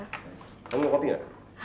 kamu mau kopi gak